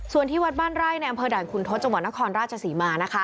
ส่วนที่วัดบ้านไร่ในอำเภอด่านคุณทศจังหวัดนครราชศรีมานะคะ